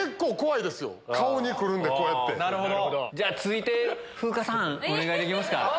続いて風花さんお願いできますか。